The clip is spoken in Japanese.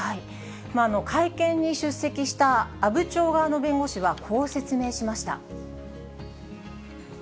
会見に出席した阿武町側の弁護士は、こう説明しました。